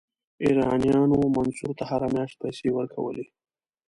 ایرانیانو منصور ته هره میاشت پیسې ورکولې.